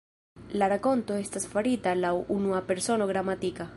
La rakonto estas farita laŭ unua persono gramatika.